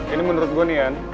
ini menurut gue nih yan